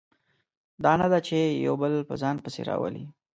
دا نه ده چې یو بل په ځان پسې راولي.